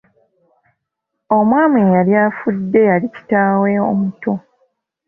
Omwami eyali afudde yali kitaawe omuto.